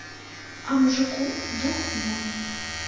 А мужыку дух вон.